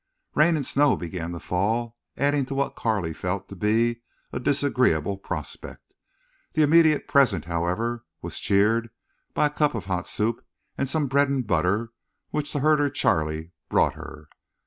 Rain and snow began to fall, adding to what Carley felt to be a disagreeable prospect. The immediate present, however, was cheered by a cup of hot soup and some bread and butter which the herder Charley brought her.